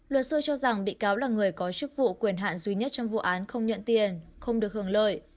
luật sư cho rằng bị cáo là người có chức vụ quyền hạn duy nhất trong vụ án không nhận tiền không được hưởng lợi